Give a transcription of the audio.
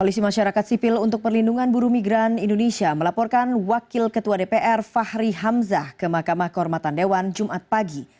koalisi masyarakat sipil untuk perlindungan buruh migran indonesia melaporkan wakil ketua dpr fahri hamzah ke mahkamah kehormatan dewan jumat pagi